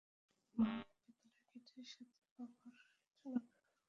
মোহাম্মদ বিদ্যালয়ের গেটের কাছে বাবার জন্য অপেক্ষা করতে থাকে।